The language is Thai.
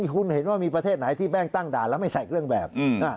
คุณเห็นว่ามีประเทศไหนที่แม่งตั้งด่านแล้วไม่ใส่เครื่องแบบ